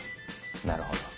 なるほど。